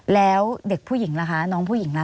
แล้วเด็กผู้หญิงล่ะคะน้องผู้หญิงล่ะ